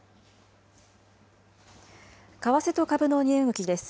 為替と株の値動きです。